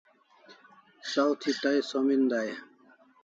Saw thi tai som en dai e?